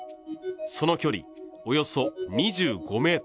その距離、およそ２５ｍ。